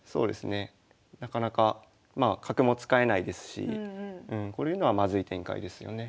なかなかまあ角も使えないですしこういうのはまずい展開ですよね。